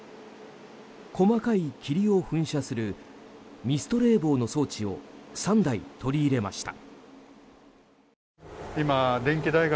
細かい霧を噴射するミスト冷房の装置を３台取り入れました。